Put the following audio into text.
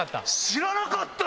知らなかった？